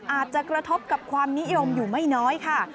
อาจจะกระทบกับความนิยมอยู่ไม่น้อยค่ะ